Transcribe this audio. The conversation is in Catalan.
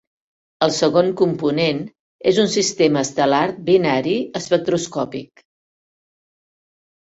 El segon component és un sistema estel·lar binari espectroscòpic.